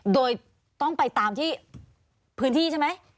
โดยต้องไปตามที่พื้นที่ใช่ไหม